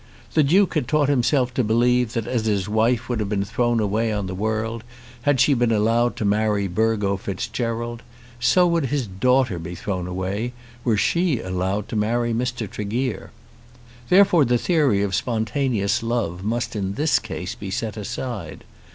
The Duke had taught himself to believe that as his wife would have been thrown away on the world had she been allowed to marry Burgo Fitzgerald, so would his daughter be thrown away were she allowed to marry Mr. Tregear. Therefore the theory of spontaneous love must in this case be set aside.